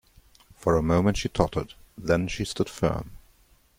For a moment she tottered; then she stood firm.